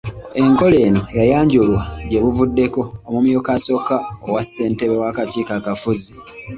Enkola eno yayanjulwa gyebuvuddeko, Omumyuka Asooka owa Ssentebe w'Akakiiko Akafuzi.